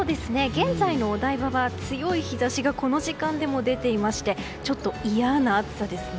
現在のお台場は強い日差しがこの時間でも出ていましてちょっと嫌な暑さですね。